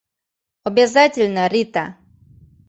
Обязательно, Рита.